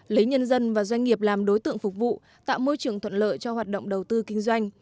lấy nhân dân và doanh nghiệp làm đối tượng phục vụ tạo môi trường thuận lợi cho hoạt động đầu tư kinh doanh